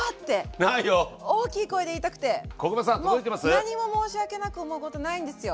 もう何も申し訳なく思うことないんですよ。